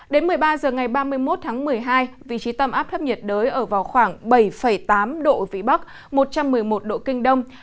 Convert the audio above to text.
đến một mươi ba h ngày ba mươi một tháng một mươi hai vị trí tâm áp thấp nhiệt đới ở vào khoảng bảy tám độ vĩ bắc một trăm một mươi một độ kinh đông